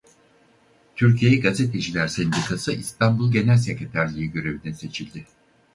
Türkiye Gazeteciler Sendikası İstanbul Genel Sekreterliği görevine seçildi.